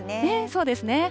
そうですね。